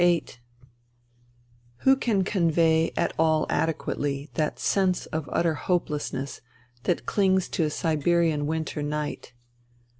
VIII Who can convey at all adequately that sense of utter hopelessness that clings to a Siberian winter night